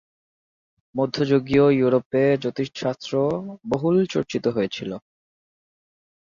মধ্যযুগীয় ইউরোপে জ্যোতিষশাস্ত্র বহুল চর্চিত হয়েছিল।